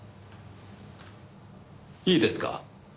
いいですか？